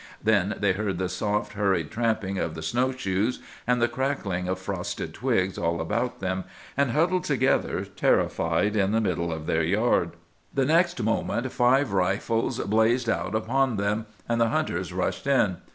Then they heard the soft, hurried tramping of the snow shoes, and the crackling of frosted twigs all about them, and huddled together, terrified, in the middle of their yard. "The next moment five rifles blazed out upon them, and the hunters rushed in.